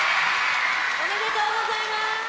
・おめでとうございます。